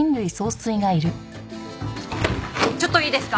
ちょっといいですか？